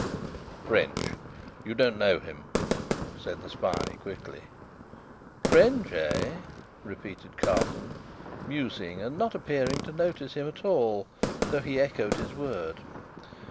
"French. You don't know him," said the spy, quickly. "French, eh?" repeated Carton, musing, and not appearing to notice him at all, though he echoed his word.